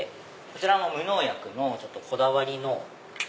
こちらも無農薬のこだわりの。